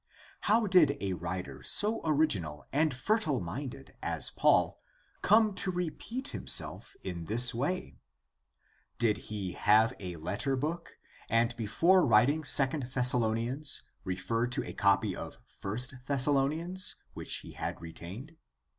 How did a writer so original and fertile minded as Paul come to repeat himself in this way ? Did he have a letter book, and before writing II Thessalonians refer to a copy of I Thessalonians which he had retained